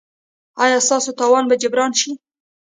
ایا ستاسو تاوان به جبران شي؟